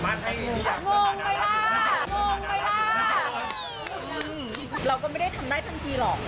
มันก็เป็นอะไรที่